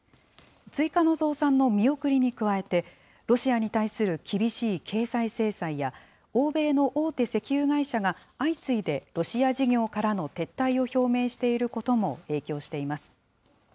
追加の増産の見送りに加えて、ロシアに対する厳しい経済制裁や、欧米の大手石油会社が相次いでロシア事業からの撤退を表明していることも影響しています。